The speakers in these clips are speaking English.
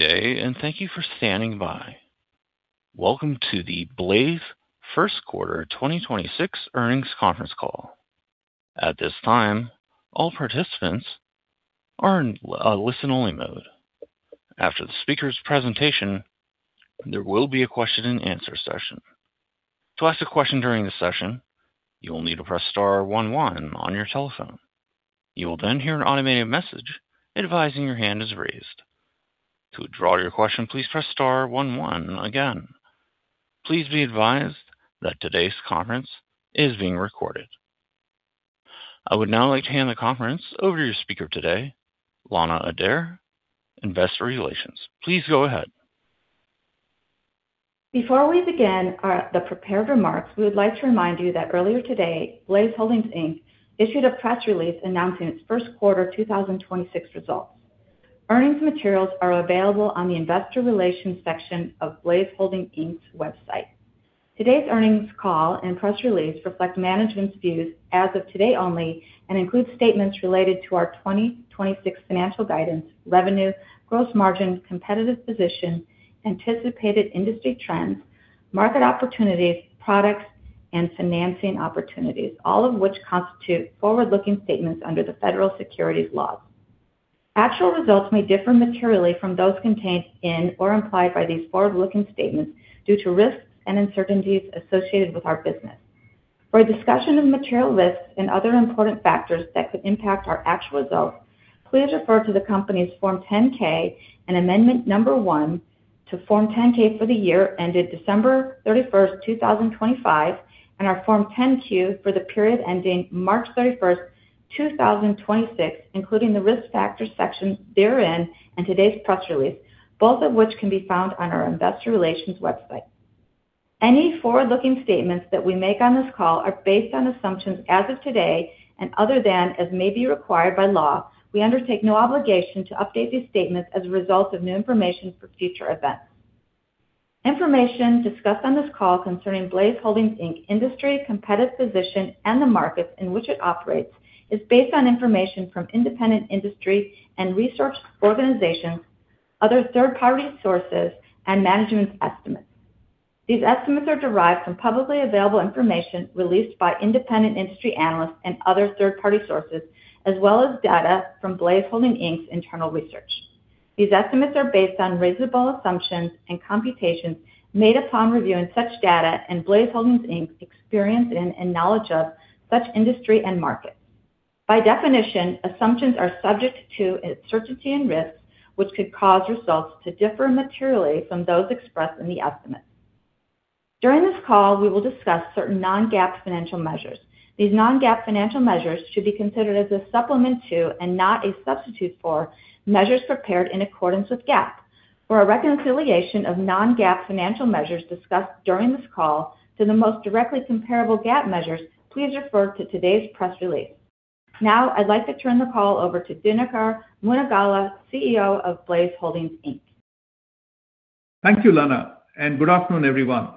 Day, and thank you for standing by. Welcome to the Blaize first quarter 2026 earnings conference call. At this time, all participants are in listen only mode. After the speaker's presentation, there will be a Question-and-Answer session. To ask a question during this session, you will need to press star one one on your telephone. You will then hear an automated message advising your hand is raised. To withdraw your question, please press star one one again. Please be advised that today's conference is being recorded. I would now like to hand the conference over to your speaker today, Lana Adair, Investor Relations. Please go ahead. Before we begin the prepared remarks, we would like to remind you that earlier today, Blaize Holdings, Inc. issued a press release announcing its first quarter 2026 results. Earnings materials are available on the investor relations section of Blaize Holdings, Inc.'s website. Today's earnings call and press release reflect management's views as of today only and include statements related to our 2026 financial guidance, revenue, gross margin, competitive position, anticipated industry trends, market opportunities, products, and financing opportunities, all of which constitute forward-looking statements under the Federal Securities Laws. Actual results may differ materially from those contained in or implied by these forward-looking statements due to risks and uncertainties associated with our business. For a discussion of material risks and other important factors that could impact our actual results, please refer to the company's Form 10-K and Amendment 1 to Form 10-K for the year ended December 31st, 2025, and our Form 10-Q for the period ending March 31st, 2026, including the Risk Factors section therein and today's press release, both of which can be found on our investor relations website. Any forward-looking statements that we make on this call are based on assumptions as of today and other than as may be required by law. We undertake no obligation to update these statements as a result of new information or future events. Information discussed on this call concerning Blaize Holdings, Inc., industry, competitive position, and the markets in which it operates, is based on information from independent industry and research organizations, other third-party sources, and management's estimates. These estimates are derived from publicly available information released by independent industry analysts and other third-party sources, as well as data from Blaize Holdings, Inc.'s internal research. These estimates are based on reasonable assumptions and computations made upon reviewing such data and Blaize Holdings, Inc.'s experience in and knowledge of such industry and markets. By definition, assumptions are subject to uncertainty and risks, which could cause results to differ materially from those expressed in the estimates. During this call, we will discuss certain non-GAAP financial measures. These non-GAAP financial measures should be considered as a supplement to, and not a substitute for, measures prepared in accordance with GAAP. For a reconciliation of non-GAAP financial measures discussed during this call to the most directly comparable GAAP measures, please refer to today's press release. Now, I'd like to turn the call over to Dinakar Munagala, CEO of Blaize Holdings, Inc. Thank you, Lana. Good afternoon, everyone.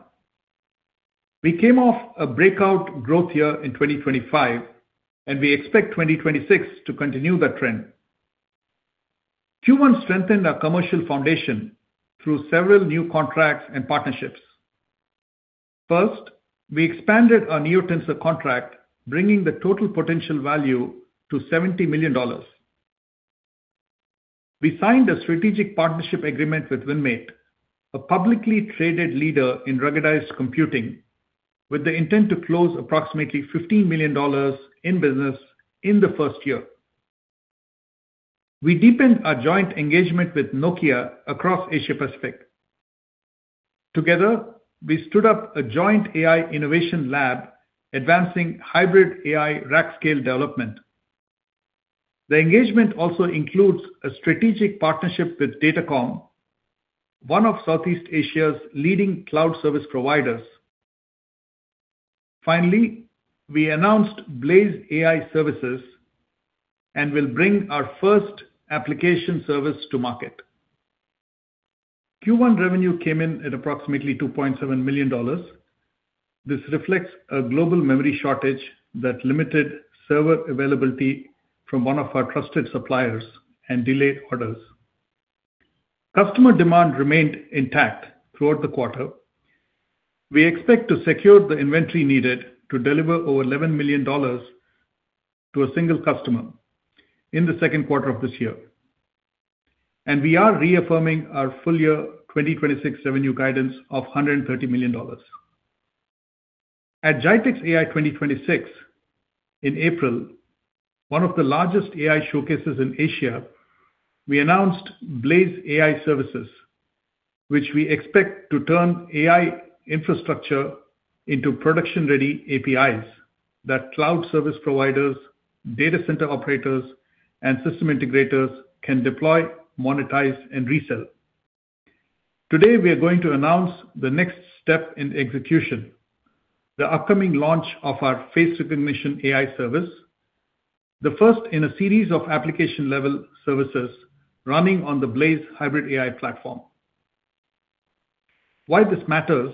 We came off a breakout growth year in 2025, and we expect 2026 to continue that trend. Q1 strengthened our commercial foundation through several new contracts and partnerships. First, we expanded our NeoTensr contract, bringing the total potential value to $70 million. We signed a strategic partnership agreement with Winmate, a publicly traded leader in ruggedized computing, with the intent to close approximately $15 million in business in the first year. We deepened our joint engagement with Nokia across Asia Pacific. Together, we stood up a joint AI innovation lab advancing hybrid AI rack scale development. The engagement also includes a strategic partnership with Datacom, one of Southeast Asia's leading cloud service providers. Finally, we announced Blaize AI Services and will bring our first application service to market. Q1 revenue came in at approximately $2.7 million. This reflects a global memory shortage that limited server availability from one of our trusted suppliers and delayed orders. Customer demand remained intact throughout the quarter. We expect to secure the inventory needed to deliver over $11 million to a single customer in the second quarter of this year, and we are reaffirming our full year 2026 revenue guidance of $130 million. At GITEX AI 2026 in April, one of the largest AI showcases in Asia, we announced Blaize AI Services, which we expect to turn AI infrastructure into production-ready APIs that cloud service providers, data center operators, and system integrators can deploy, monetize, and resell. Today, we are going to announce the next step in execution, the upcoming launch of our face recognition AI service, the first in a series of application-level services running on the Blaize hybrid AI platform. Why this matters.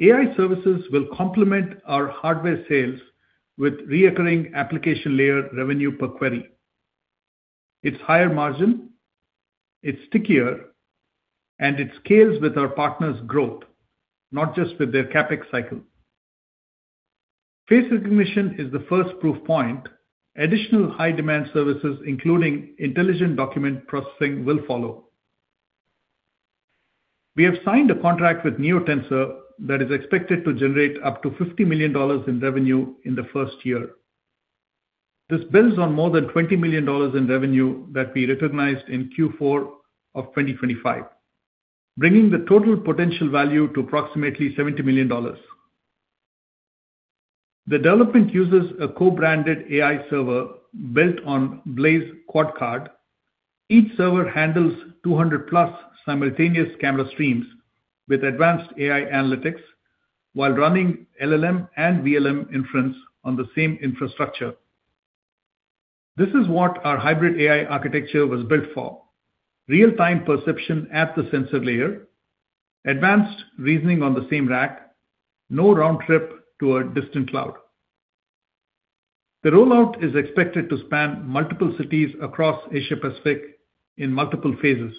AI services will complement our hardware sales with recurring application layer revenue per query. It's higher margin, it's stickier, and it scales with our partners' growth, not just with their CapEx cycle. Face recognition is the first proof point. Additional high-demand services, including intelligent document processing, will follow. We have signed a contract with NeoTensr that is expected to generate up to $50 million in revenue in the first year. This builds on more than $20 million in revenue that we recognized in Q4 of 2025, bringing the total potential value to approximately $70 million. The development uses a co-branded AI server built on Blaize Quad card. Each server handles 200+ simultaneous camera streams with advanced AI analytics while running LLM and VLM inference on the same infrastructure. This is what our hybrid AI architecture was built for. Real-time perception at the sensor layer, advanced reasoning on the same rack, no round trip to a distant cloud. The rollout is expected to span multiple cities across Asia Pacific in multiple phases.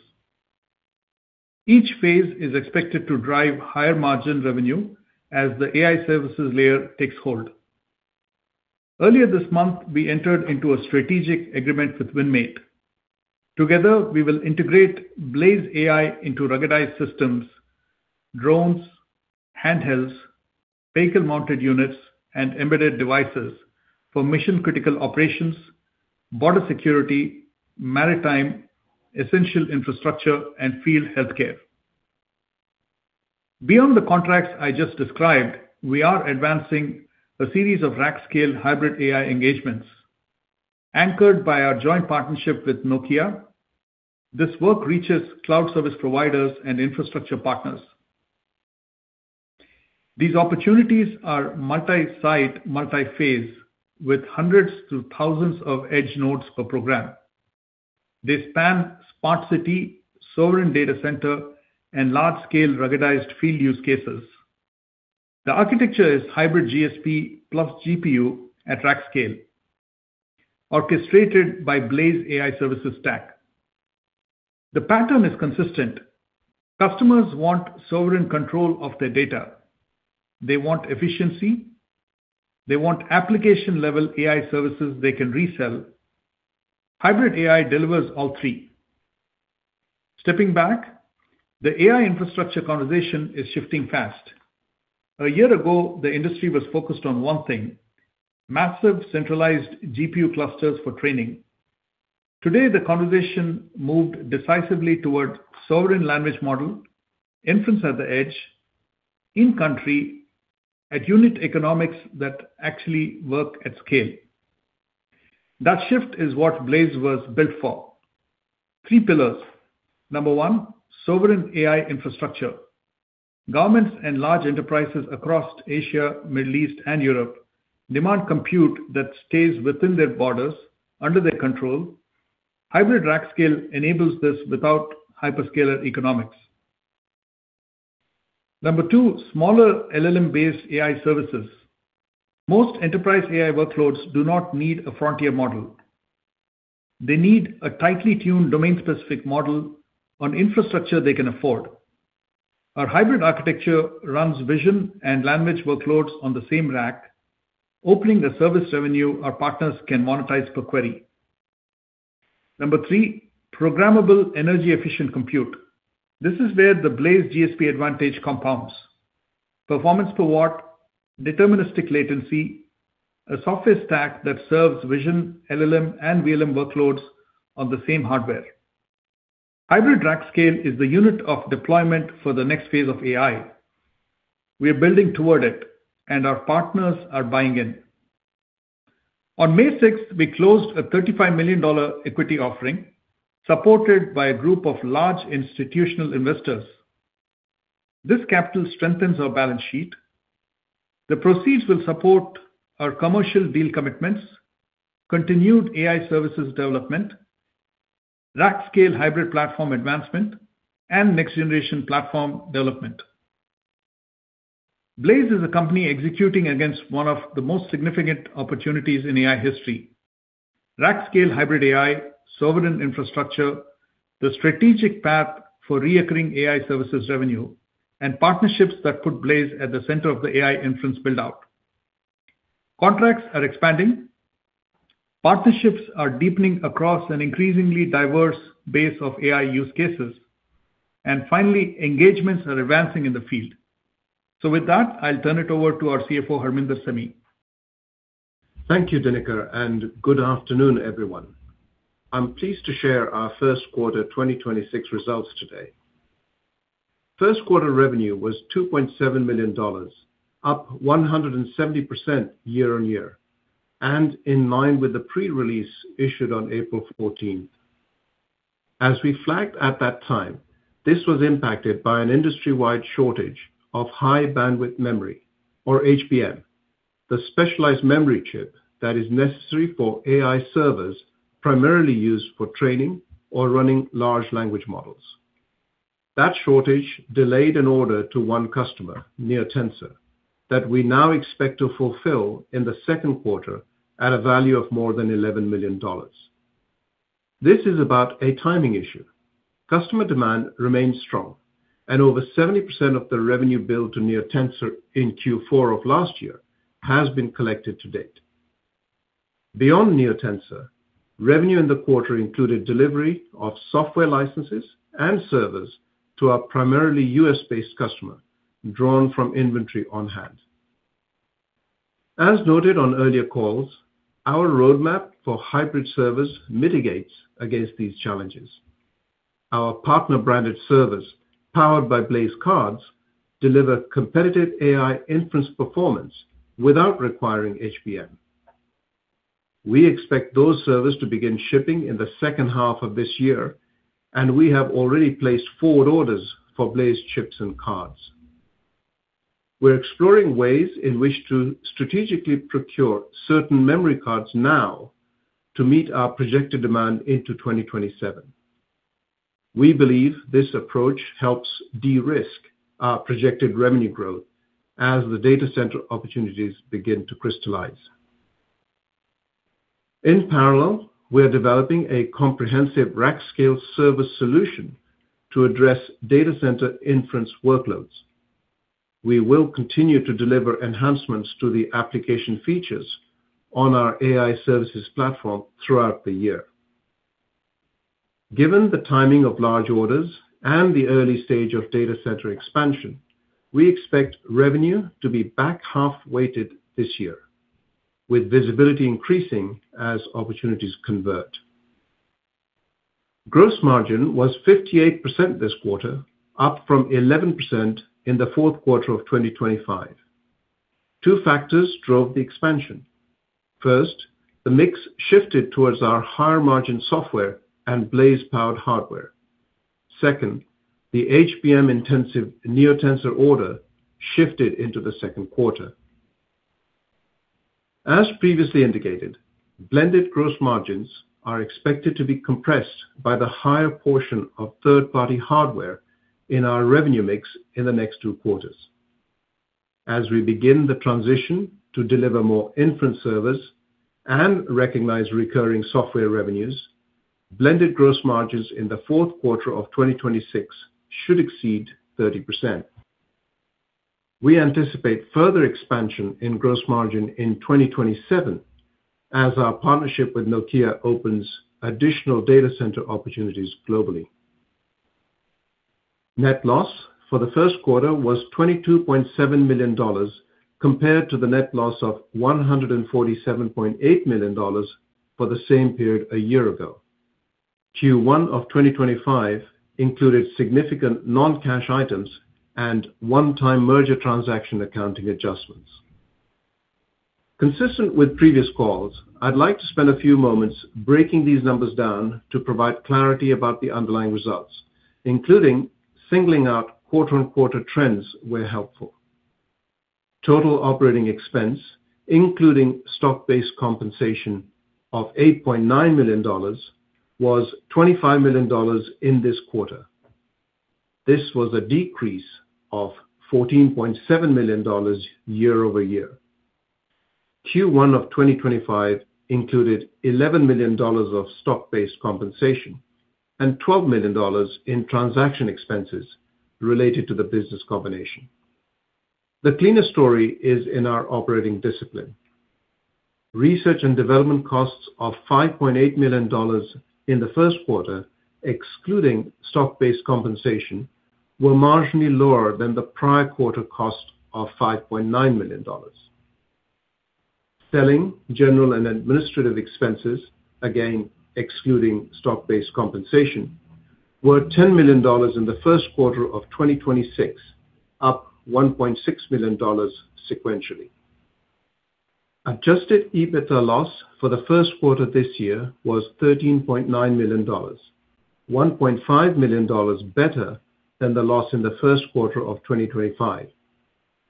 Each phase is expected to drive higher margin revenue as the AI services layer takes hold. Earlier this month, we entered into a strategic agreement with Winmate. Together, we will integrate Blaize AI into ruggedized systems, drones, handhelds, vehicle-mounted units, and embedded devices for mission-critical operations, border security, maritime, essential infrastructure, and field healthcare. Beyond the contracts I just described, we are advancing a series of rack-scale hybrid AI engagements anchored by our joint partnership with Nokia. This work reaches cloud service providers and infrastructure partners. These opportunities are multi-site, multi-phase with hundreds to thousands of edge nodes per program. They span smart city, sovereign data center, and large-scale ruggedized field use cases. The architecture is hybrid GSP plus GPU at rack scale, orchestrated by Blaize AI Services stack. The pattern is consistent. Customers want sovereign control of their data. They want efficiency. They want application-level AI services they can resell. Hybrid AI delivers all three. Stepping back, the AI infrastructure conversation is shifting fast. A year ago, the industry was focused on one thing: massive, centralized GPU clusters for training. Today, the conversation moved decisively towards sovereign language model, inference at the edge, in country at unit economics that actually work at scale. That shift is what Blaize was built for. Three pillars. Number one, sovereign AI infrastructure. Governments and large enterprises across Asia, Middle East, and Europe demand compute that stays within their borders, under their control. Hybrid rack scale enables this without hyperscaler economics. Number two, smaller LLM-based AI services. Most enterprise AI workloads do not need a frontier model. They need a tightly tuned domain-specific model on infrastructure they can afford. Our hybrid architecture runs vision and language workloads on the same rack, opening the service revenue our partners can monetize per query. Number three, programmable energy-efficient compute. This is where the Blaize GSP advantage compounds. Performance per watt, deterministic latency, a software stack that serves vision, LLM, and VLM workloads on the same hardware. Hybrid rack scale is the unit of deployment for the next phase of AI. We are building toward it and our partners are buying in. On May 6th, we closed a $35 million equity offering supported by a group of large institutional investors. This capital strengthens our balance sheet. The proceeds will support our commercial deal commitments, continued AI services development, rack-scale hybrid platform advancement, and next-generation platform development. Blaize is a company executing against one of the most significant opportunities in AI history. Rack-scale hybrid AI, sovereign infrastructure, the strategic path for recurring AI services revenue, partnerships that put Blaize at the center of the AI inference build-out. Contracts are expanding. Partnerships are deepening across an increasingly diverse base of AI use cases. Finally, engagements are advancing in the field. With that, I'll turn it over to our CFO, Harminder Sehmi. Thank you, Dinakar, and good afternoon, everyone. I'm pleased to share our first quarter 2026 results today. First quarter revenue was $2.7 million, up 170% year-on-year and in line with the pre-release issued on April 14. We flagged at that time, this was impacted by an industry-wide shortage of High Bandwidth Memory or HBM, the specialized memory chip that is necessary for AI servers primarily used for training or running large language models. That shortage delayed an order to one customer, NeoTensr, that we now expect to fulfill in the second quarter at a value of more than $11 million. This is about a timing issue. Customer demand remains strong, and over 70% of the revenue billed to NeoTensr in Q4 of last year has been collected to date. Beyond NeoTensr, revenue in the quarter included delivery of software licenses and servers to our primarily US-based customer, drawn from inventory on hand. As noted on earlier calls, our roadmap for hybrid servers mitigates against these challenges. Our partner-branded servers, powered by Blaize cards, deliver competitive AI inference performance without requiring HBM. We expect those servers to begin shipping in the second half of this year, and we have already placed forward orders for Blaize chips and cards. We're exploring ways in which to strategically procure certain memory cards now to meet our projected demand into 2027. We believe this approach helps de-risk our projected revenue growth as the data center opportunities begin to crystallize. In parallel, we are developing a comprehensive rack-scale service solution to address data center inference workloads. We will continue to deliver enhancements to the application features on our AI Services platform throughout the year. Given the timing of large orders and the early stage of data center expansion, we expect revenue to be back half-weighted this year, with visibility increasing as opportunities convert. Gross margin was 58% this quarter, up from 11% in the fourth quarter of 2025. Two factors drove the expansion. First, the mix shifted towards our higher-margin software and Blaize-powered hardware. Second, the HBM-intensive NeoTensr order shifted into the second quarter. As previously indicated, blended gross margins are expected to be compressed by the higher portion of third-party hardware in our revenue mix in the next two quarters. As we begin the transition to deliver more inference servers and recognize recurring software revenues, blended gross margins in the fourth quarter of 2026 should exceed 30%. We anticipate further expansion in gross margin in 2027 as our partnership with Nokia opens additional data center opportunities globally. Net loss for the first quarter was $22.7 million, compared to the net loss of $147.8 million for the same period a year ago. Q1 of 2025 included significant non-cash items and one-time merger transaction accounting adjustments. Consistent with previous calls, I'd like to spend a few moments breaking these numbers down to provide clarity about the underlying results, including singling out quarter-on-quarter trends where helpful. Total operating expense, including stock-based compensation of $8.9 million, was $25 million in this quarter. This was a decrease of $14.7 million year-over-year. Q1 of 2025 included $11 million of stock-based compensation and $12 million in transaction expenses related to the business combination. The cleaner story is in our operating discipline. Research and development costs of $5.8 million in the first quarter, excluding stock-based compensation, were marginally lower than the prior quarter cost of $5.9 million. Selling, general, and administrative expenses, again excluding stock-based compensation, were $10 million in the first quarter of 2026, up $1.6 million sequentially. Adjusted EBITDA loss for the first quarter this year was $13.9 million, $1.5 million better than the loss in the first quarter of 2025,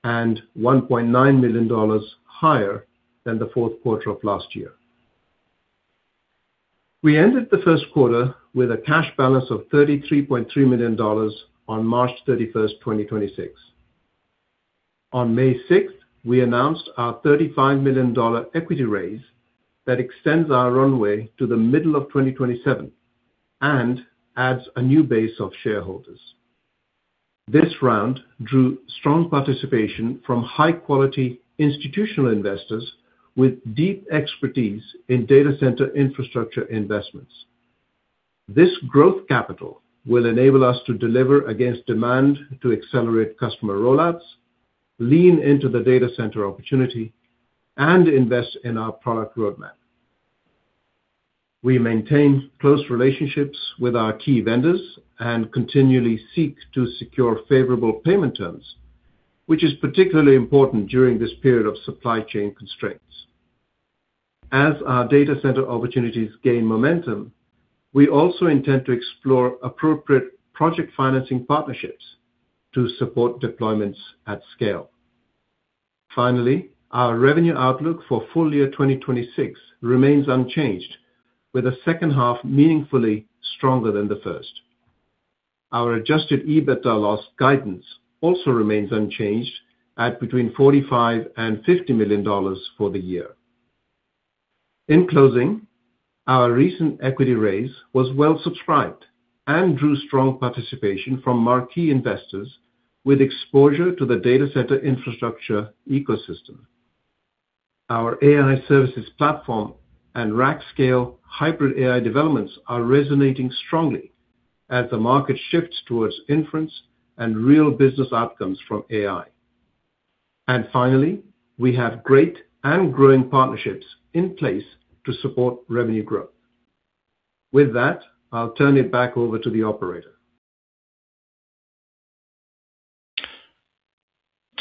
and $1.9 million higher than the fourth quarter of last year. We ended the first quarter with a cash balance of $33.3 million on March 31st, 2026. On May 6th, we announced our $35 million equity raise that extends our runway to the middle of 2027 and adds a new base of shareholders. This round drew strong participation from high-quality institutional investors with deep expertise in data center infrastructure investments. This growth capital will enable us to deliver against demand to accelerate customer rollouts, lean into the data center opportunity, and invest in our product roadmap. We maintain close relationships with our key vendors and continually seek to secure favorable payment terms, which is particularly important during this period of supply chain constraints. As our data center opportunities gain momentum, we also intend to explore appropriate project financing partnerships to support deployments at scale. Finally, our revenue outlook for full year 2026 remains unchanged, with the second half meaningfully stronger than the first. Our adjusted EBITDA loss guidance also remains unchanged at between $45 million and $50 million for the year. In closing, our recent equity raise was well subscribed and drew strong participation from marquee investors with exposure to the data center infrastructure ecosystem. Our AI Services platform and rack scale hybrid AI developments are resonating strongly as the market shifts towards inference and real business outcomes from AI. Finally, we have great and growing partnerships in place to support revenue growth. With that, I'll turn it back over to the operator.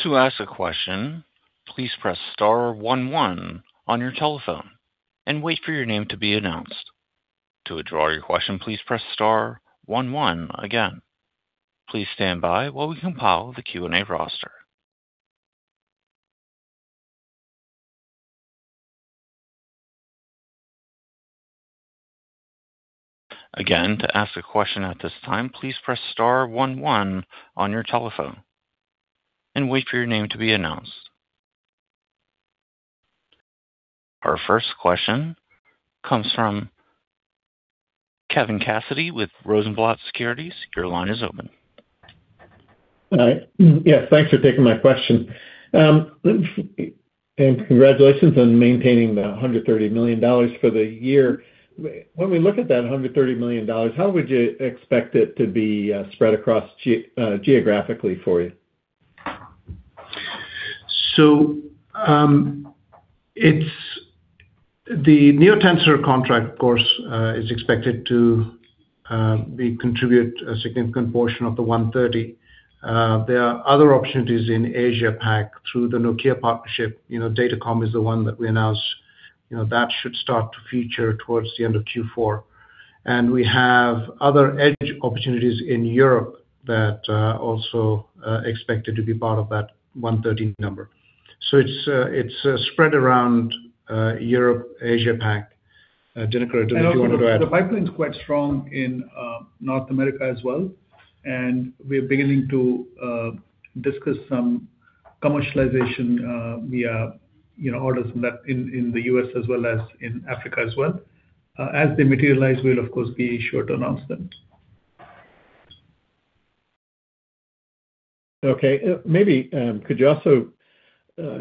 To ask a question please press star one one on your telephone and wait for your name to be announced. To withdraw your question, please press star one one again. Please stand by for the Q&A roster. Again, to ask a question at this time, please press star one one on your telephone and wait for your name to be announced. Our first question comes from Kevin Cassidy with Rosenblatt Securities. Your line is open. All right. Yes, thanks for taking my question. Congratulations on maintaining the $130 million for the year. When we look at that $130 million, how would you expect it to be spread across geographically for you? The NeoTensr contract course, is expected to contribute a significant portion of the $130. There are other opportunities in Asia Pac through the Nokia partnership. You know, Datacom is the one that we announced. You know, that should start to feature towards the end of Q4. We have other edge opportunities in Europe that, also, expected to be part of that $130 number. It's, it's spread around, Europe, Asia Pac. Dinakar, do you want to add? The pipeline is quite strong in North America as well, and we're beginning to discuss some commercialization via, you know, orders from that in the U.S. as well as in Africa as well. As they materialize, we'll of course, be sure to announce them. Okay. Maybe, could you also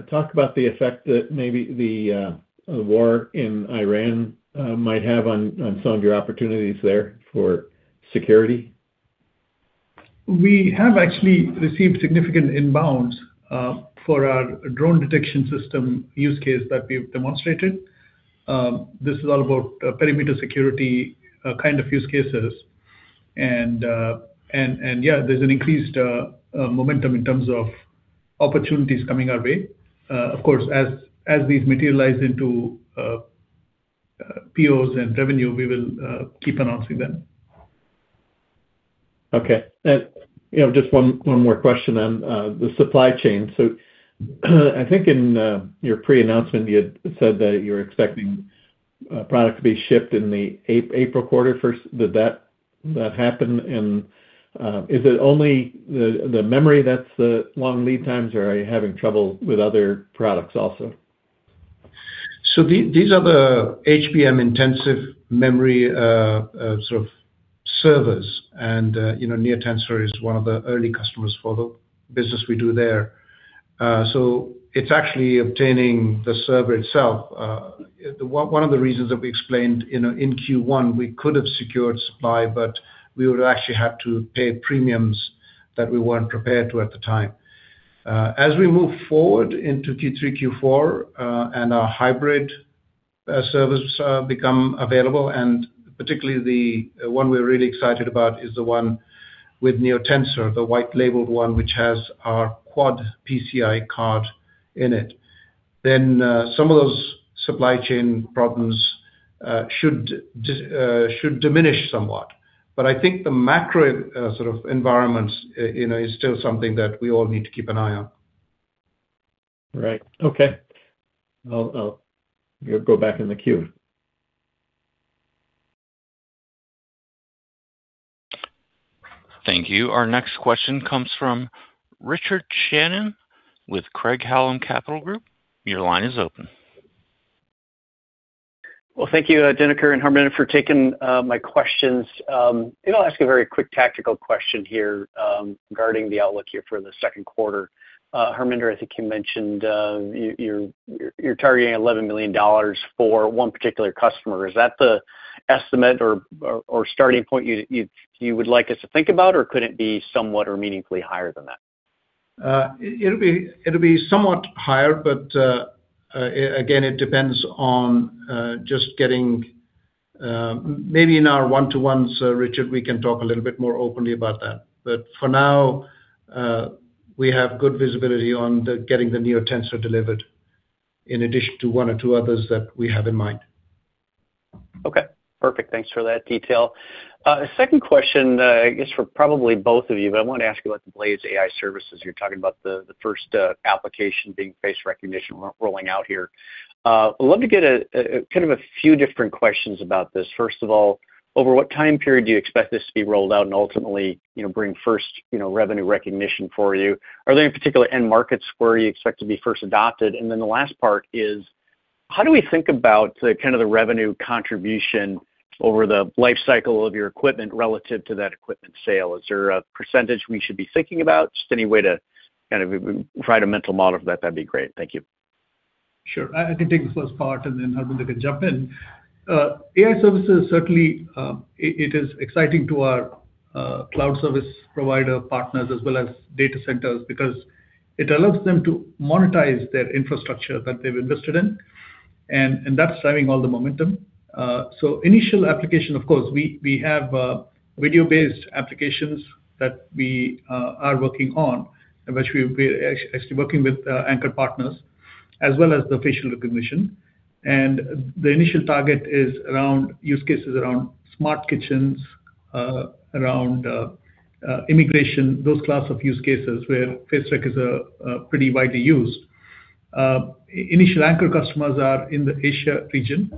talk about the effect that maybe the war in Iran might have on some of your opportunities there for security? We have actually received significant inbounds for our drone detection system use case that we've demonstrated. This is all about perimeter security, kind of use cases. There's an increased momentum in terms of opportunities coming our way. Of course, as these materialize into POs and revenue, we will keep announcing them. Okay. You know, just one more question on the supply chain. I think in your pre-announcement, you said that you're expecting product to be shipped in the April quarter. First, did that happen? Is it only the memory that's the long lead times, or are you having trouble with other products also? These are the HBM intensive memory sort of servers. You know, NeoTensr is one of the early customers for the business we do there. It's actually obtaining the server itself. One of the reasons that we explained, you know, in Q1, we could have secured supply, but we would actually have to pay premiums that we weren't prepared to at the time. As we move forward into Q3, Q4, and our hybrid servers become available, and particularly the one we're really excited about is the one with NeoTensr, the white labeled one, which has our four PCIe card in it. Some of those supply chain problems should diminish somewhat. I think the macro, sort of environments, you know, is still something that we all need to keep an eye on. Right. Okay. I'll go back in the queue. Thank you. Our next question comes from Richard Shannon with Craig-Hallum Capital Group. Your line is open. Well, thank you, Dinakar and Harminder, for taking my questions. I'll ask a very quick tactical question here regarding the outlook here for the second quarter. Harminder, I think you mentioned you're targeting $11 million for one particular customer. Is that the estimate or starting point you would like us to think about, or could it be somewhat or meaningfully higher than that? It'll be somewhat higher, but again, it depends on maybe in our one-to-ones, Richard, we can talk a little bit more openly about that. For now, we have good visibility on the getting the NeoTensr delivered in addition to one or two others that we have in mind. Okay. Perfect. Thanks for that detail. Second question is for probably both of you, but I want to ask you about the Blaize AI Services. You're talking about the first application being face recognition rolling out here. Love to get a kind of a few different questions about this. First of all, over what time period do you expect this to be rolled out and ultimately, you know, bring first, you know, revenue recognition for you? Are there any particular end markets where you expect to be first adopted? Then the last part is. How do we think about the kind of the revenue contribution over the life cycle of your equipment relative to that equipment sale? Is there a percentage we should be thinking about? Just any way to kind of provide a mental model for that would be great. Thank you. Sure. I can take the first part, and then Harminder can jump in. AI services certainly, it is exciting to our cloud service provider partners as well as data centers because it allows them to monetize their infrastructure that they've invested in, and that's driving all the momentum. Initial application, of course, we have video-based applications that we are working on, and which we've been actually working with anchor partners, as well as the facial recognition. The initial target is around use cases around smart kitchens, around immigration, those class of use cases where face rec is pretty widely used. Initial anchor customers are in the Asia region.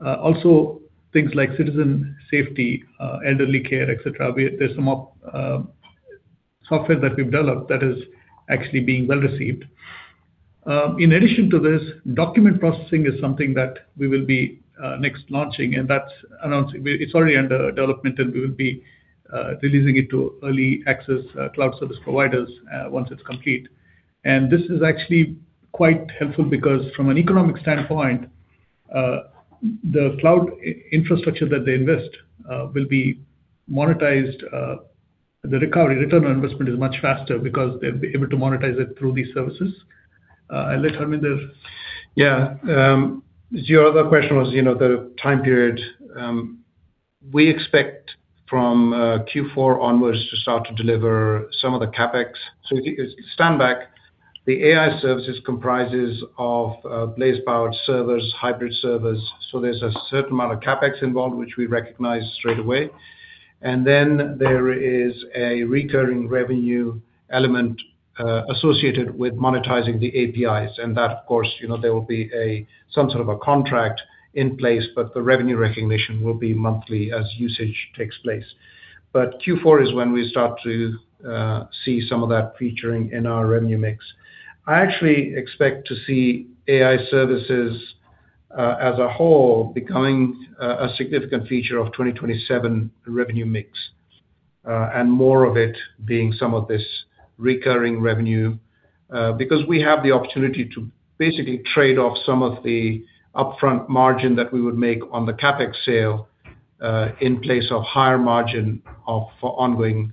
Also, things like citizen safety, elderly care, et cetera, where there's some of software that we've developed that is actually being well-received. In addition to this, document processing is something that we will be next launching. It's already under development, and we will be releasing it to early access cloud service providers once it's complete. This is actually quite helpful because from an economic standpoint, the cloud infrastructure that they invest will be monetized. The recovery, return on investment is much faster because they'll be able to monetize it through these services. I'll let Harminder. Yeah. Your other question was, you know, the time period. We expect from Q4 onwards to start to deliver some of the CapEx. If you could stand back, the AI services comprises of Blaize-powered servers, hybrid servers, so there's a certain amount of CapEx involved, which we recognize straight away. Then there is a recurring revenue element associated with monetizing the APIs, and that, of course, you know, there will be a some sort of a contract in place, but the revenue recognition will be monthly as usage takes place. Q4 is when we start to see some of that featuring in our revenue mix. I actually expect to see AI services as a whole becoming a significant feature of 2027 revenue mix and more of it being some of this recurring revenue. we have the opportunity to basically trade off some of the upfront margin that we would make on the CapEx sale, in place of higher margin for ongoing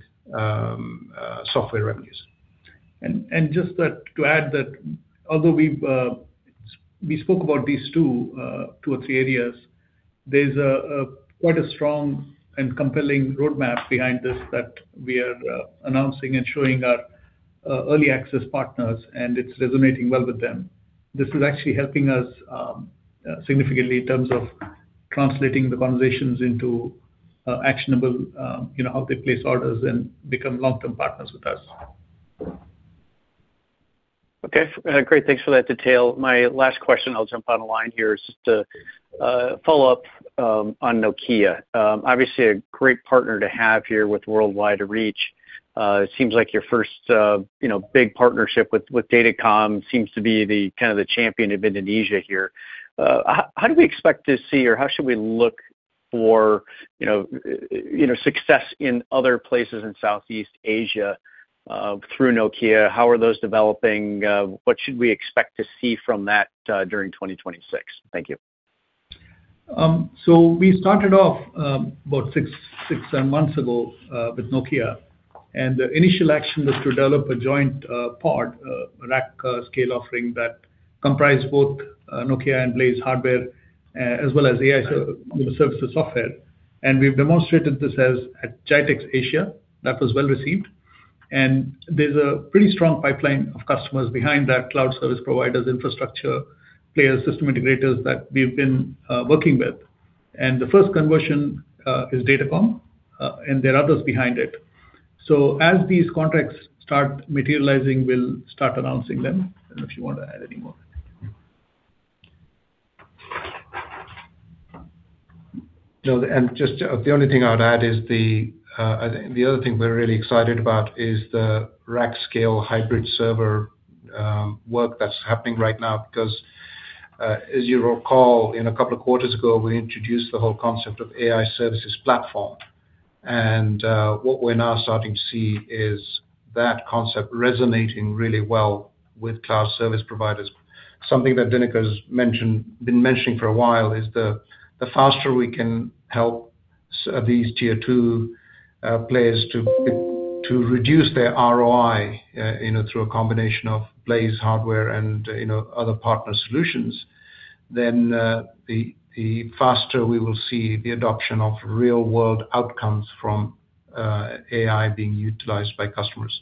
software revenues. Just that, to add that although we've, we spoke about these two or three areas, there's a quite a strong and compelling roadmap behind this that we are announcing and showing our early access partners, and it's resonating well with them. This is actually helping us significantly in terms of translating the conversations into actionable, you know, how they place orders and become long-term partners with us. Okay. Great. Thanks for that detail. My last question, I'll jump on the line here, is just to follow up on Nokia. Obviously, a great partner to have here with worldwide reach. It seems like your first, you know, big partnership with Datacom seems to be the kind of the champion of Indonesia here. How do we expect to see, or how should we look for, you know, success in other places in Southeast Asia through Nokia? How are those developing? What should we expect to see from that during 2026? Thank you. We started off about six to seven months ago with Nokia. The initial action was to develop a joint pod, rack, scale offering that comprised both Nokia and Blaize hardware, as well as AI services software. We've demonstrated this at GITEX Asia. That was well-received. There's a pretty strong pipeline of customers behind that, cloud service providers, infrastructure players, system integrators that we've been working with. The first conversion is Datacom, there are others behind it. As these contracts start materializing, we'll start announcing them. If you want to add any more. No, just the only thing I'd add is the other thing we're really excited about is the rack scale hybrid server work that's happening right now because, as you'll recall, in a couple of quarters ago, we introduced the whole concept of Blaize AI Services Platform. What we're now starting to see is that concept resonating really well with cloud service providers. Something that Dinakar's mentioned, been mentioning for a while is the faster we can help these tier 2 players to reduce their ROI, you know, through a combination of Blaize hardware and, you know, other partner solutions, then the faster we will see the adoption of real world outcomes from AI being utilized by customers.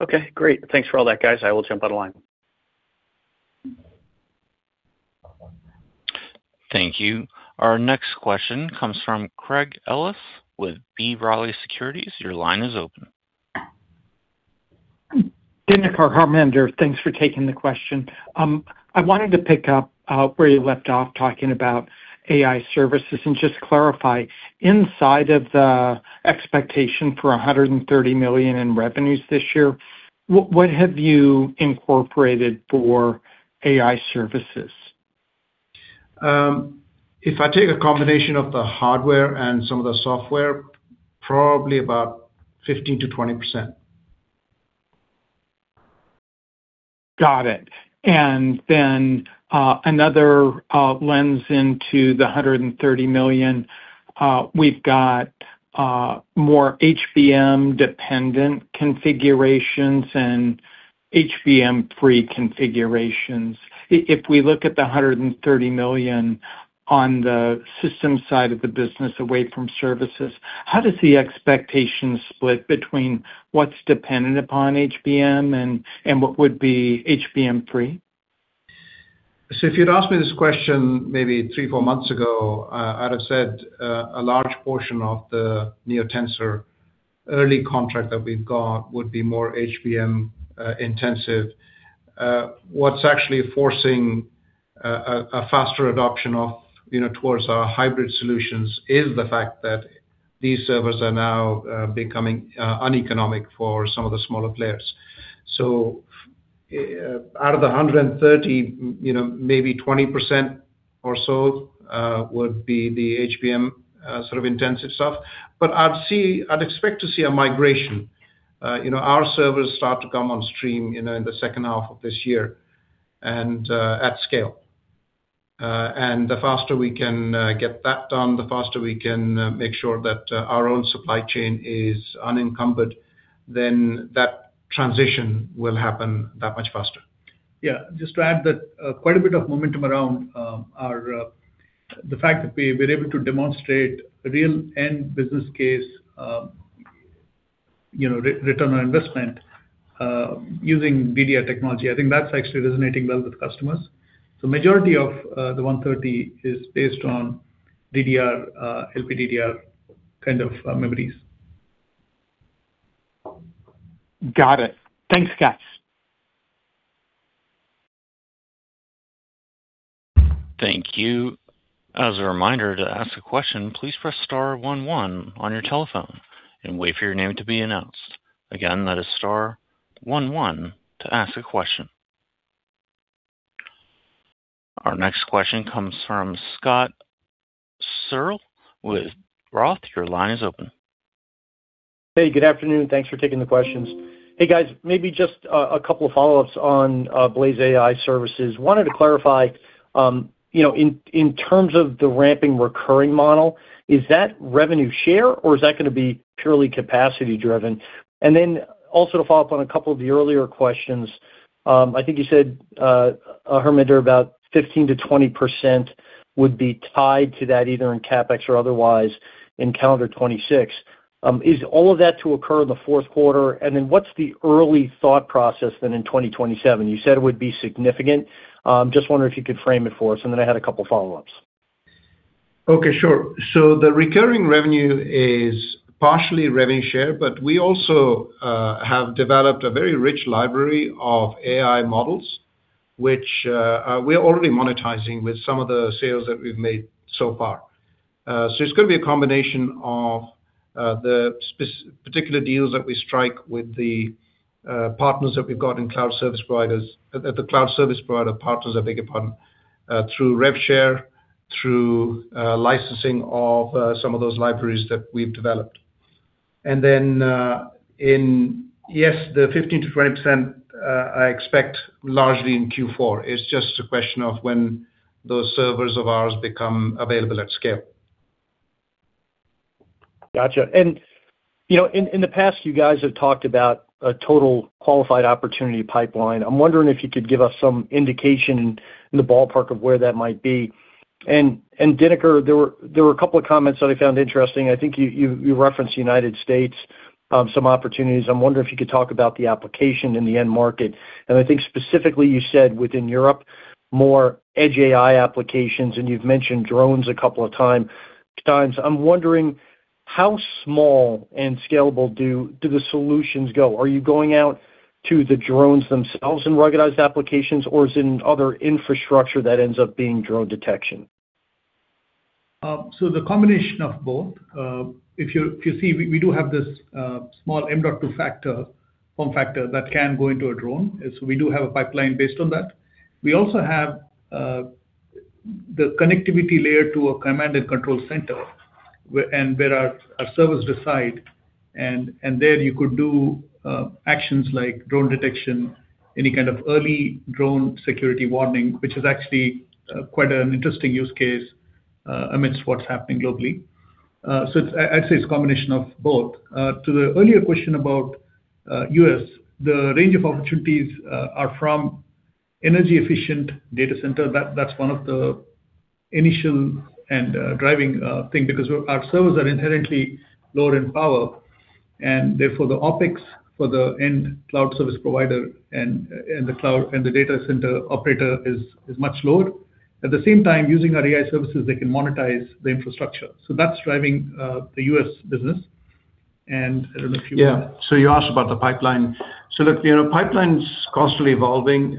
Okay, great. Thanks for all that, guys. I will jump out of line. Thank you. Our next question comes from Craig Ellis with B. Riley Securities. Your line is open. Dinakar, Harminder, thanks for taking the question. I wanted to pick up where you left off talking about AI Services and just clarify. Inside of the expectation for $130 million in revenues this year, what have you incorporated for AI Services? If I take a combination of the hardware and some of the software, probably about 15%-20%. Got it. Another lens into the $130 million, we've got more HBM-dependent configurations and HBM-free configurations. If we look at the $130 million on the systems side of the business away from services, how does the expectation split between what's dependent upon HBM and what would be HBM-free? If you'd asked me this question maybe three, four months ago, I'd have said a large portion of the NeoTensr early contract that we've got would be more HBM intensive. What's actually forcing a faster adoption of, you know, towards our hybrid solutions is the fact that these servers are now becoming uneconomic for some of the smaller players. Out of the 130, you know, maybe 20% or so would be the HBM sort of intensive stuff. I'd expect to see a migration. You know, our servers start to come on stream, you know, in the second half of this year and at scale. The faster we can get that done, the faster we can make sure that our own supply chain is unencumbered, then that transition will happen that much faster. Yeah. Just to add that, quite a bit of momentum around our, the fact that we've been able to demonstrate real end business case, you know, return on investment, using memory technology. I think that's actually resonating well with customers. Majority of the $130 million is based on DDR, LPDDR kind of memories. Got it. Thanks, guys. Thank you. As a reminder, to ask a question, please press star 11 on your telephone and wait for your name to be announced. Again, that is star 11 to ask a question. Our next question comes from Scott Searle with Roth. Your line is open. Good afternoon. Thanks for taking the questions. Hey, guys, maybe just a couple of follow-ups on Blaize AI Services. Wanted to clarify, you know, in terms of the ramping recurring model, is that revenue share, or is that gonna be purely capacity driven? Also to follow up on a couple of the earlier questions, I think you said, Harminder, about 15%-20% would be tied to that either in CapEx or otherwise in calendar 2026. Is all of that to occur in the fourth quarter? What's the early thought process then in 2027? You said it would be significant. Just wondering if you could frame it for us, I had a couple follow-ups. Okay, sure. The recurring revenue is partially revenue share, but we also have developed a very rich library of AI models, which we are already monetizing with some of the sales that we've made so far. It's gonna be a combination of the particular deals that we strike with the partners that we've got in cloud service provider partners, I beg your pardon, through rev share, through licensing of some of those libraries that we've developed. Yes, the 15%-20% I expect largely in Q4. It's just a question of when those servers of ours become available at scale. Gotcha. You know, in the past, you guys have talked about a total qualified opportunity pipeline. I'm wondering if you could give us some indication in the ballpark of where that might be. Dinakar, there were a couple of comments that I found interesting. I think you referenced United States, some opportunities. I'm wondering if you could talk about the application in the end market. I think specifically, you said within Europe, more edge AI applications, and you've mentioned drones a couple of times. I'm wondering how small and scalable do the solutions go? Are you going out to the drones themselves in ruggedized applications, or is it in other infrastructure that ends up being drone detection? The combination of both. If you, if you see, we do have this small M.2 factor, form factor that can go into a drone. We do have a pipeline based on that. We also have the connectivity layer to a command-and-control center where our servers reside. There you could do actions like drone detection, any kind of early drone security warning, which is actually quite an interesting use case amidst what's happening globally. It's, I'd say it's a combination of both. To the earlier question about U.S., the range of opportunities are from energy efficient data center. That's one of the initial and driving thing because our servers are inherently lower in power, and therefore the OpEx for the end cloud service provider and the cloud and the data center operator is much lower. At the same time, using our AI services, they can monetize the infrastructure. That's driving the U.S. business. I don't know if you. Yeah. You asked about the pipeline. Look, you know, pipeline's constantly evolving.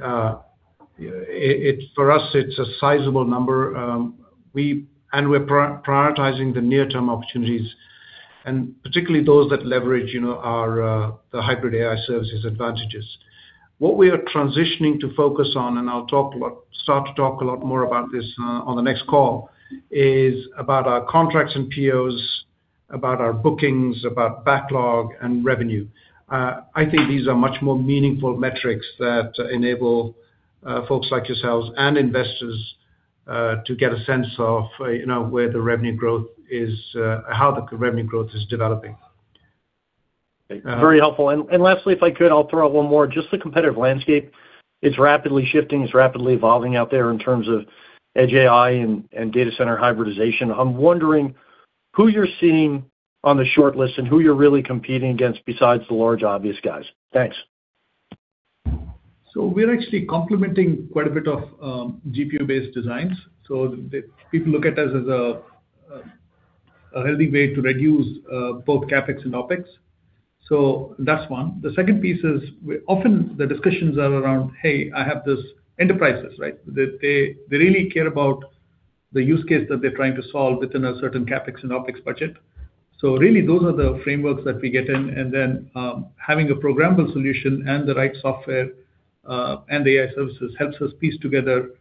It for us, it's a sizable number. We're prioritizing the near-term opportunities, and particularly those that leverage, you know, our the hybrid AI services advantages. What we are transitioning to focus on, and I'll start to talk a lot more about this on the next call, is about our contracts and POs, about our bookings, about backlog and revenue. I think these are much more meaningful metrics that enable folks like yourselves and investors to get a sense of, you know, where the revenue growth is, how the revenue growth is developing. Very helpful. Lastly, if I could, I'll throw out one more. Just the competitive landscape, it's rapidly shifting, it's rapidly evolving out there in terms of edge AI and data center hybridization. I'm wondering who you're seeing on the shortlist and who you're really competing against besides the large obvious guys. Thanks. We're actually complementing quite a bit of GPU-based designs. The People look at us as a healthy way to reduce both CapEx and OpEx. That's one. The second piece is often the discussions are around, hey, I have these enterprises, right? They really care about the use case that they're trying to solve within a certain CapEx and OpEx budget. Really those are the frameworks that we get in, and then, having a programmable solution and the right software and AI services helps us piece together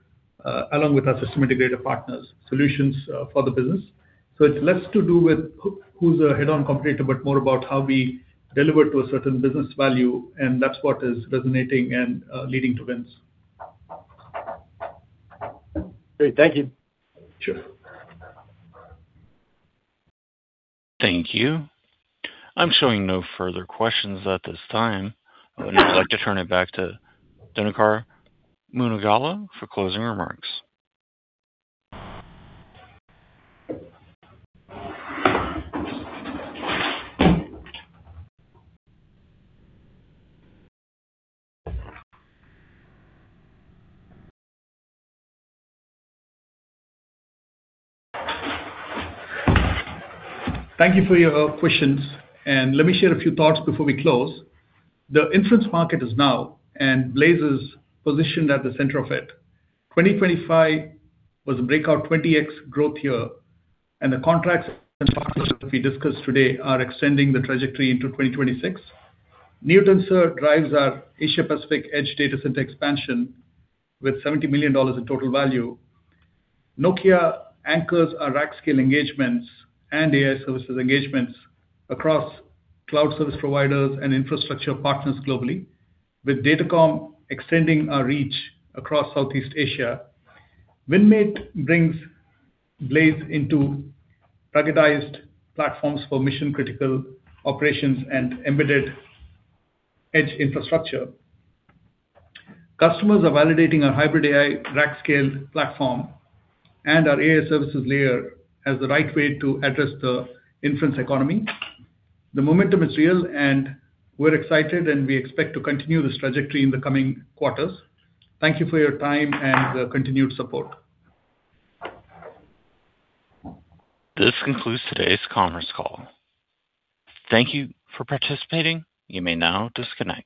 along with our system integrator partners, solutions for the business. It's less to do with who's a head-on competitor, but more about how we deliver to a certain business value, and that's what is resonating and leading to wins. Great. Thank you. Sure. Thank you. I'm showing no further questions at this time. I would like to turn it back to Dinakar Munagala for closing remarks. Thank you for your questions, let me share a few thoughts before we close. The inference market is now, and Blaize is positioned at the center of it. 2025 was a breakout 20x growth year, and the contracts and partners that we discussed today are extending the trajectory into 2026. NeoTensr drives our Asia-Pacific edge data center expansion with $70 million in total value. Nokia anchors our rack scale engagements and Blaize AI Services engagements across cloud service providers and infrastructure partners globally. With Datacom extending our reach across Southeast Asia, Winmate brings Blaize into ruggedized platforms for mission-critical operations and embedded edge infrastructure. Customers are validating our hybrid AI rack scale platform and our Blaize AI Services layer as the right way to address the inference economy. The momentum is real, and we're excited, and we expect to continue this trajectory in the coming quarters. Thank you for your time and continued support. This concludes today's conference call. Thank you for participating. You may now disconnect.